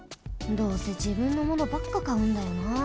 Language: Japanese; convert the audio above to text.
どうせじぶんのものばっかかうんだよな。